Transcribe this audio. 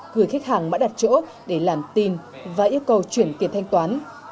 gửi khách hàng mã đặt chỗ để làm tin và yêu cầu chuyển tiền thanh toán